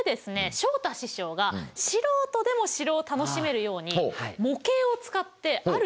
昇太師匠が素人でも城を楽しめるように模型を使ってある実験を行って下さいます。